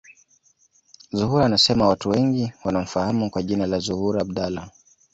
Zuhura anasema watu wengi wanamfahamu kwa jina la Zuhura Abdallah